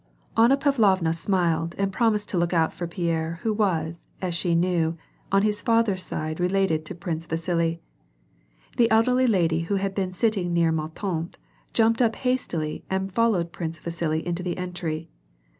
Anna Pavlovna smiled and promised to look out for Pierre, who was, as she knew, on his father's side related to Prince Vasili. The elderly lady who had been sitting near Ma Tante jumped up haistily and followed Prince Vasili into the entry.